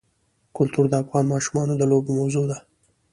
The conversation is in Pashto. کلتور د افغان ماشومانو د لوبو موضوع ده.